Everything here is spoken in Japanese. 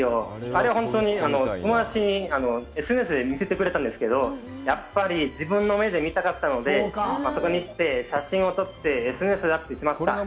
あれは本当に友達がＳＮＳで見せてくれたんですけど、やっぱり自分の目で見たかったので、あそこに行って、写真を撮って、ＳＮＳにアップしました。